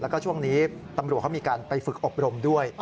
แล้วก็ช่วงนี้ตำรวจเขามีการไปฝึกอบรมด้วย